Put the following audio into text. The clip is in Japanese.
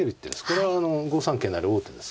これは５三桂成王手ですから。